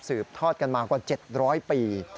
ทอดกันมากว่า๗๐๐ปี